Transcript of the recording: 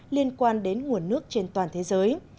liên quan đến nguồn nước trên toàn thế giới